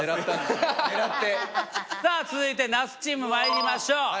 さあ続いてなすチームまいりましょう。